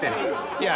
いや。